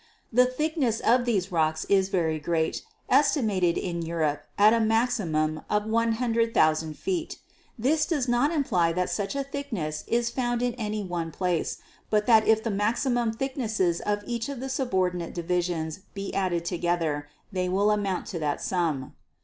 The thickness of these rocks is very great, estimated in Europe at a maximum of 100,000 feet. This does not imply that such a thickness is found in any one place, but that if the maximum thicknesses of each of the subordinate divisions be added together, they will amount to that sum.